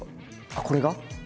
あっこれが？